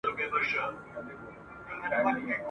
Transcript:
زما په زړه یې جادو کړی زما په شعر یې کوډي کړي ..